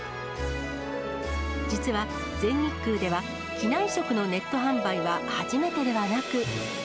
実は、全日空では機内食のネット販売は初めてではなく。